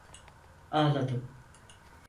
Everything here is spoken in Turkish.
Ağladım.